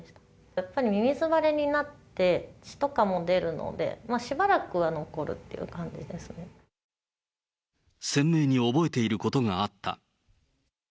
やっぱりみみず腫れになって血とかも出るので、しばらくは残るっ鮮明に覚えていることがあった。